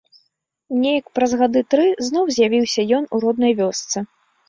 Неяк праз гады тры зноў з'явіўся ён у роднай вёсцы.